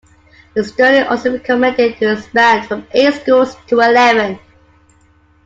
The study also recommended to expand from eight schools to eleven.